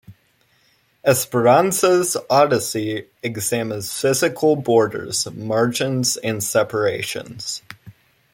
Esperanza's odyssey examines physical borders, margins and separations.